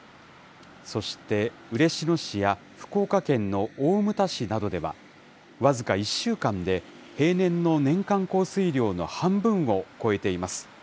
そして、嬉野市や福岡県の大牟田市などでは、僅か１週間で平年の年間降水量の半分を超えています。